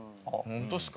本当っすか？